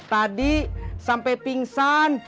tadi sampai pingsan